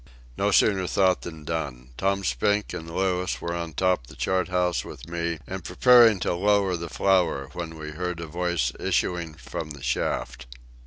No sooner thought than done. Tom Spink and Louis were on top the chart house with me and preparing to lower the flour, when we heard a voice issuing from the shaft.